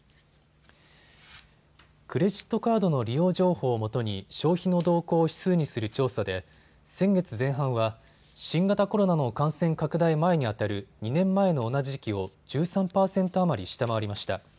クレジットカードの利用情報をもとに消費の動向を指数にする調査で先月前半は新型コロナの感染拡大前にあたる２年前の同じ時期を１３％余り下回りました。